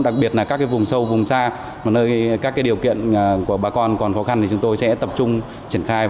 đặc biệt là các vùng sâu vùng xa nơi các điều kiện của bà con còn khó khăn thì chúng tôi sẽ tập trung triển khai